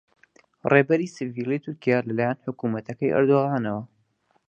ڕێبەری سڤیلی تورکیا لەلایەن حکوومەتەکەی ئەردۆغانەوە